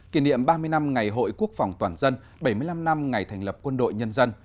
kỷ niệm ba mươi năm ngày hội quốc phòng toàn dân bảy mươi năm năm ngày thành lập quân đội nhân dân